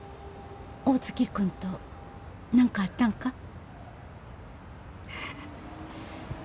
大月君と何かあったんか？